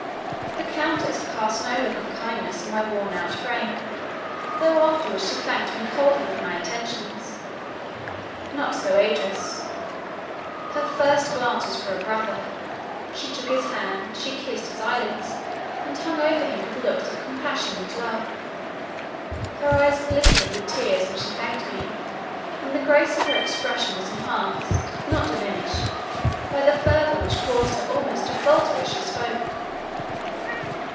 The Countess cast no look of kindness on my worn out frame, though afterwards she thanked me coldly for my attentions. Not so Idris; her first glance was for her brother; she took his hand, she kissed his eye lids, and hung over him with looks of compassion and love. Her eyes glistened with tears when she thanked me, and the grace of her expressions was enhanced, not diminished, by the fervour, which caused her almost to falter as she spoke.